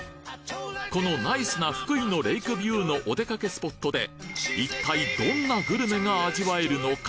このナイスな福井のレイクビューのおでかけスポットでいったいどんなグルメが味わえるのか？